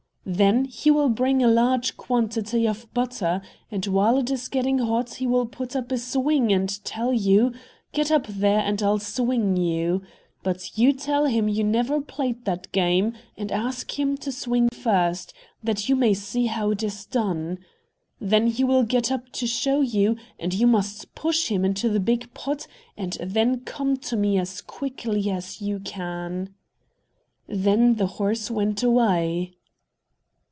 "Then he will bring a large quantity of butter, and while it is getting hot he will put up a swing and say to you, 'Get up there, and I'll swing you.' But you tell him you never played at that game, and ask him to swing first, that you may see how it is done. Then he will get up to show you; and you must push him into the big pot, and then come to me as quickly as you can." Then the horse went away.